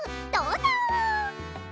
どうぞ！